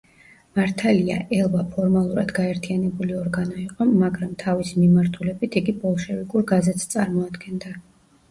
მართალია, „ელვა“ ფორმალურად გაერთიანებული ორგანო იყო, მაგრამ თავისი მიმართულებით იგი ბოლშევიკურ გაზეთს წარმოადგენდა.